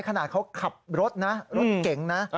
ขนาดเขาขับรถนะรถเก่งนะ